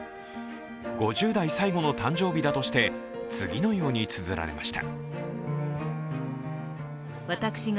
５０代最後の誕生日だとして、次のようにつづられました。